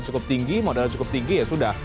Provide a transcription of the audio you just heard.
cukup tinggi modal cukup tinggi ya sudah